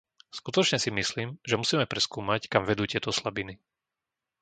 Skutočne si myslím, že musíme preskúmať, kam vedú tieto slabiny.